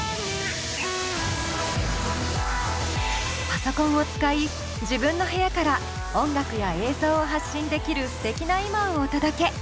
パソコンを使い自分の部屋から音楽や映像を発信できるすてきな今をお届け。